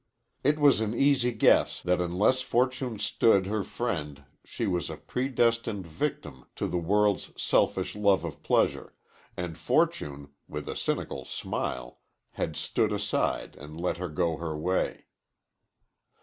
It was an easy guess that unless fortune stood her friend she was a predestined victim to the world's selfish love of pleasure, and fortune, with a cynical smile, had stood aside and let her go her way.